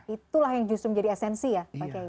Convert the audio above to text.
itulah yang justru menjadi esensi ya pak kiai